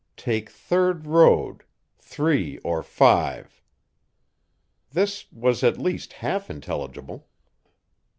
Take third road 3 or 5" this was at least half intelligible.